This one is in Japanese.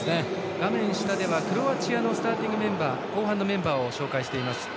画面下ではクロアチアのスターティングメンバー後半のメンバーを紹介しています。